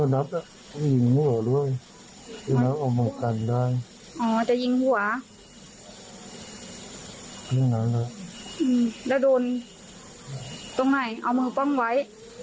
แล้วโดนตรงไหนเอามือป้องไว้